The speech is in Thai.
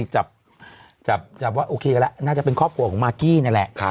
จับว่าโอเคกันแล้วน่าจะเป็นครอบครัวของมากกี้นั่นแหละ